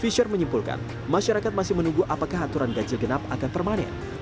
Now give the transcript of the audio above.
fisher menyimpulkan masyarakat masih menunggu apakah aturan ganjil genap akan permanen